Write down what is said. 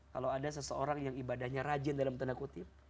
kalau ada seseorang yang ibadahnya rajin dalam tanda kutip